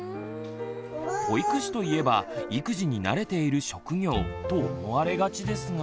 「保育士といえば育児に慣れている職業」と思われがちですが。